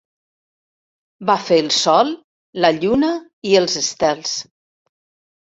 Va fer el sol, la lluna i els estels.